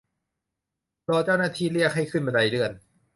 รอเจ้าหน้าที่เรียกให้ขึ้นบันไดเลื่อน